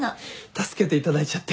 助けていただいちゃって。